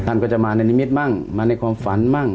ท่านก็จะมาในนิมิตมั่งมาในความฝันมั่ง